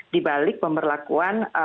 di balik pemberlakuan